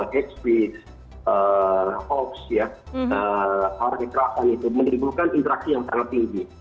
hb ops artikulasi itu menimbulkan interaksi yang sangat tinggi